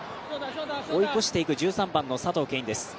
追い越していく１３番の佐藤恵允です。